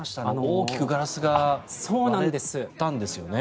大きくガラスが割れたんですよね。